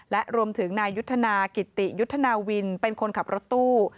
และรวมถึงนายยุทธนากิติยุทธนาวินเป็นคนขับรถตู้